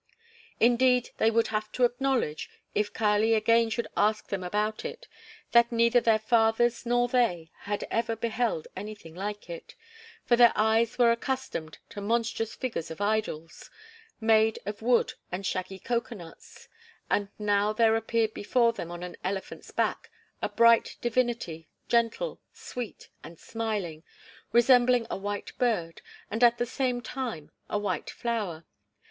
Indeed, they would have to acknowledge, if Kali again should ask them about it, that neither their fathers nor they ever had beheld anything like it. For their eyes were accustomed to monstrous figures of idols, made of wood and shaggy cocoanuts, and now there appeared before them on an elephant's back a bright divinity, gentle, sweet, and smiling, resembling a white bird, and at the same time a white flower.